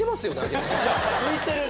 浮いてるね。